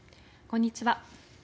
こんにちは。